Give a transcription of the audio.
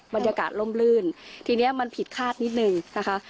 บรรยากาศล่มลื่นทีนี้มันผิดคาดนิดนึงนะคะ